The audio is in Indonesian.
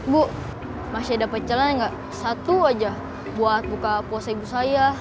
bu masih dapet celana gak satu aja buat buka puasa ibu saya